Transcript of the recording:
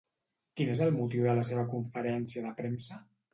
Quin és el motiu de la seva conferència de premsa?